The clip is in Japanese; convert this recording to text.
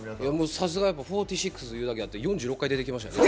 さすが４６というだけあって４６回出てきましたよね。